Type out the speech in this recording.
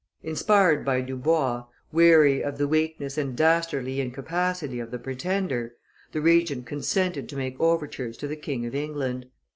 Inspired by Dubois, weary of the weakness and dastardly incapacity of the Pretender, the Regent consented to make overtures to the King of England.